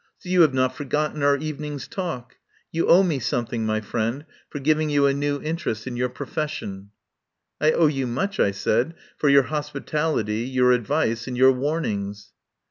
"So you have not forgotten our evening's talk? You owe me something, my friend, for giving you a new interest in your profession." "I owe you much," I said, "for your hospi tality, your advice, and your warnings."